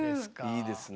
いいですね。